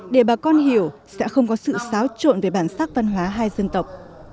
để bà con hiểu sẽ không có sự xáo trộn về bản sắc văn hóa hai dân tộc